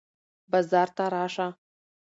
بازار ته راشه.